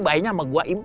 baiknya sama gue im